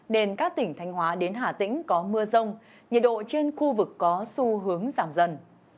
đến các tỉnh thanh hóa đến hà tĩnh có mưa rông nhiệt độ trên khu vực có xu hướng giảm dần